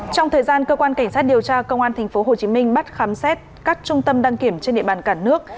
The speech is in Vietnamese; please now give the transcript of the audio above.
trong thời gian cơ quan cảnh sát điều tra công an tp hcm bắt khám xét các trung tâm đăng kiểm trên địa bàn cả nước